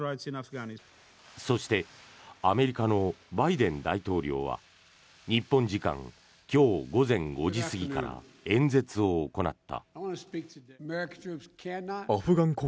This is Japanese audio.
そしてアメリカのバイデン大統領は日本時間今日午前５時過ぎから演説を行った。